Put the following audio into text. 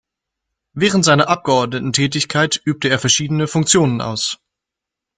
Während seiner Abgeordnetentätigkeit übte er verschiedene Funktionen aus.